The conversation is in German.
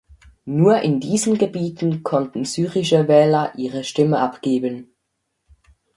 Nur in diesen Gebieten konnten syrische Wähler ihre Stimme abgeben.